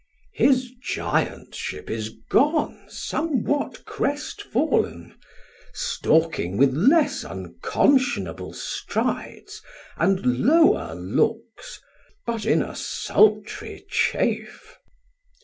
Chor: His Giantship is gone somewhat crestfall'n, Stalking with less unconsci'nable strides, And lower looks, but in a sultrie chafe.